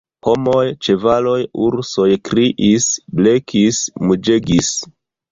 Homoj, ĉevaloj, ursoj kriis, blekis, muĝegis.